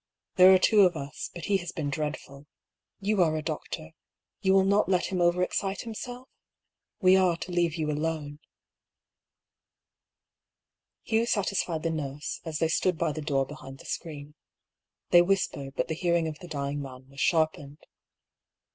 " There are two of us, but he has been dreadful. You are a doctor. You will not let him over excite himself ? We are to leave you alone." Hugh satisfied the nurse, as they stood by the door behind the screen. They whispered, but the hearing of the dying man was sharpened.